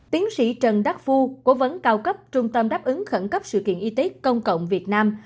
tiến sĩ trần đắc phu cố vấn cao cấp trung tâm đáp ứng khẩn cấp sự kiện y tế công cộng việt nam